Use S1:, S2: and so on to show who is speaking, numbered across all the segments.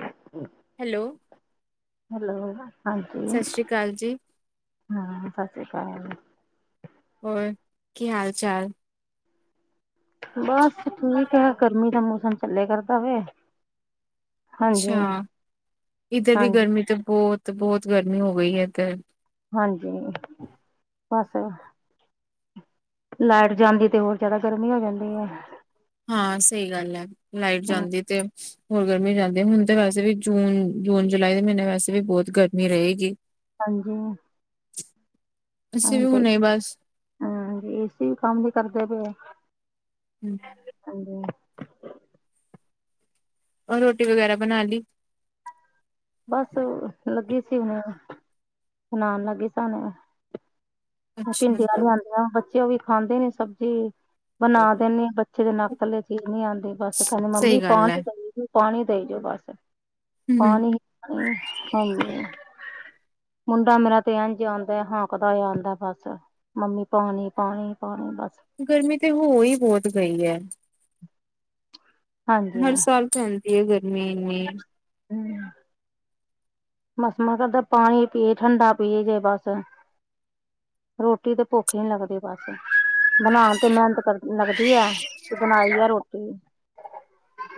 S1: ਹਮ [unintelligible]
S2: hello
S1: hello ਹਾਂਜੀ
S2: ਸਤਿ ਸ਼੍ਰੀ ਅਕਾਲ ਜੀ।
S1: ਹਾਂ, ਸਤਿ ਸ੍ਰੀ ਅਕਾਲ
S2: ਹੋਰ ਕੀ ਹਾਲ ਚਾਲ?
S1: ਬਸ ਠੀਕ ਹੈ। ਗਰਮੀ ਦਾ ਮੌਸਮ ਝੱਲੇ ਕਰਤਾ ਹੋਇਆ।
S2: ਅੱਛਾ। ਇੱਧਰ ਵੀ
S1: ਹਾਂਜੀ
S2: ਗਰਮੀ ਤੇ ਬਹੁਤ -ਬਹੁਤ ਗਰਮੀ ਹੋ ਗਈ ਹੈ। ਇੱਧਰ
S1: ਹਾਂਜੀ ਬਸ ਲਾਈਟ ਜਾਂਦੀ ਤੇ ਹੋਰ ਜਿਆਦਾ ਗਰਮੀ ਹੋ ਜਾਂਦੀ ਹੈ।
S2: ਹਾਂ ਸਹੀ ਗੱਲ ਹੈ। ਲਾਈਟ
S1: ਹਾਂ
S2: ਜਾਂਦੀ ਤੇ ਹੋਰ ਗਰਮੀ ਜਾਂਦੀ ਐ ਹੁਣ ਤੇ ਵੈਸੇ ਵੀ ਜੂਨ ਜੂਨ ਜੁਲਾਈ ਦੇ ਮੀਨੇ ਵੈਸੇ ਵੀ ਬੋਤ ਗਰਮੀ ਰਏਗੀ।
S1: ਹਾਂਜੀ
S2: ਅਸੀੇ ਵੀ
S1: ਹੁਣ ਤੇ
S2: ਹੁਨੇ ਬਸ
S1: ਹਾਂਜੀ ਏਸੀ ਵੀ ਕੰਮ ਨੀ ਕਰਦੇ ਪਏ।
S2: ਹੂੰ।
S1: ਹਾਂਜੀ।
S2: ਓ ਰੋਟੀ ਵਗੈਰਾ ਬਣਾ ਲੀ?
S1: ਬਸ, ਲੱਗੀ ਸੀ ਹੁਨੇ, ਬਣਾਣ ਲੱਗੀ ਸਾਨ।
S2: ਅੱਛਾ
S1: ਭਿੰਡੀਆਂ ਲਿਆਂਦੀਆਂ ਬੱਚੇ ਓ ਵੀ ਖਾਂਦੇ ਨੇ ਸਬਜੀ। ਬਣਾ ਦੇਨੀ ਆਂ ਬੱਚੇ ਦੇ ਨੱਕੇ ਥੱਲੇ ਚੀਜ਼ ਨੀ ਆਂਦੀ ਬਸ ਕੈਂਦੇ ਮੰਮੀ
S2: ਸਹੀ
S1: ਪਾਂ
S2: ਗੱਲ ਹੈ
S1: [unintelligible] ਪਾਣੀ ਦੇਈ ਜਾਓ ਬਸ,
S2: ਹਮ
S1: ਪਾਨੀ ਹਾਂਜੀ, ਮੁੰਡਾ ਮੇਰਾ ਤੇ ਏਂਜ ਆਉਂਦਾ ਏ ਹੌਂਕਦਾ ਏ ਔਂਦਾ। ਬਸ, ਮੰਮੀ ਪਾਣੀ ਪਾਣੀ ਪਾਣੀ ਬਸ।
S2: ਗਰਮੀ ਤੇ ਹੋ ਈ ਬੋਤ ਗਈ ਐ।
S1: ਹਾਂਜੀ
S2: ਹਰ ਸਾਲ ਪੈਂਦੀ ਐ ਗਰਮੀ ਇੰਨੀ।
S1: ਹੂੰ। ਬਸ ਮਨ ਕਰਦਾ ਪਾਣੀ ਪੀਏ ਠੰਡਾ ਪੀਏ ਜੇ ਬੱਸ। ਰੋਟੀ ਤੇ ਭੁੱਖ ਈ ਨੀ ਲੱਗਦੀ ਬਸ। ਬਣਾਣ ਤੇ ਮੇਨਤ ਕਰ ਲੱਗਦੀ ਐ ਤੇ ਬਣਾਈ ਐ ਰੋਟੀ।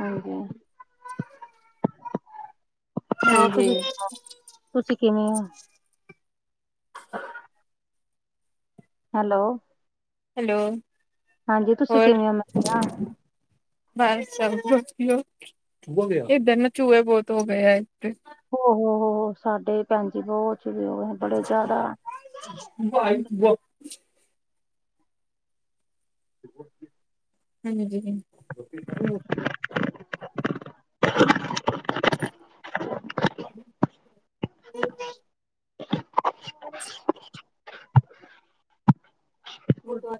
S1: ਹਾਂਜੀ। ਹੋਰ
S2: ਹਾਂਜੀ
S1: ਤੁਸੀਂ ਸੁਣਾਓ ਤੁਸੀਂ ਕਿਵੇਂ ਓ? ਹੈਲੋ।
S2: ਹੈਲੋ।
S1: ਹਾਂਜੀ ਤੁਸੀਂ
S2: ਹੋਰ
S1: ਕਿਵੇਂ ਓ ਮੈਂ ਕਿਆ?
S2: ਬਸ ਸਬ ਵਦੀਆ, ਏਧਰ ਨਾ ਚੂਏ ਬੋਤ ਹੋ ਗਏ ਆ ਏਥੇ।
S1: ਹੋ ਹੋ ਹੋ, ਸਾਡੇ ਭੈਣ ਜੀ ਬੋਹ ਚੂਏ [unintelligible] ਬੜੇ ਜ਼ਾਦਾ।
S2: [inaudible]
S1: [inaudible]
S2: [inaudible] [inaudible]
S1: [inaudible]
S2: ਗੁਰਦੁਵਾਰੇ